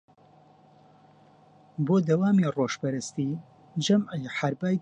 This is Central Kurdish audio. بۆ دەوامی ڕۆژپەرستی جەمعی حەربای دێتە ناو